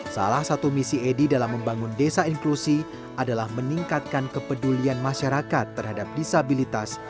salah satu misi edi dalam membangun desa inklusi adalah meningkatkan kepedulian masyarakat terhadap disabilitas